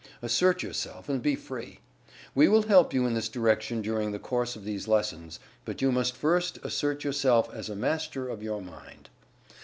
Assert yourself, and be free. We will help you in this direction during the course of these lessons, but you must first assert yourself as a Master of your Mind.